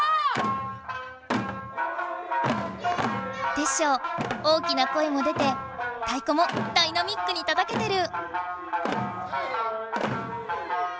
テッショウ大きな声も出て太鼓もダイナミックにたたけてる。